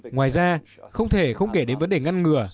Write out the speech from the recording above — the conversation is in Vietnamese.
ngoài ra không thể không kể đến vấn đề ngăn ngừa